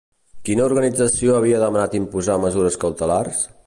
Quina organització havia demanat imposar mesures cautelars?